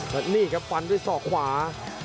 แล้วนี่ครับพันด้วยสอขวา